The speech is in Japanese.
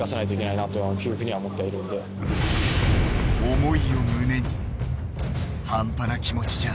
思いを胸に半端な気持ちじゃあ